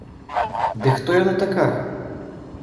Ды хто яна такая?!